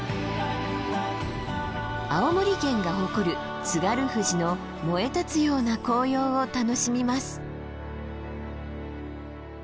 青森県が誇る津軽富士の燃え立つような紅葉を楽しみます。